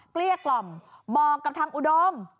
เกลี้ยกล่อมบอกกับทางอุดม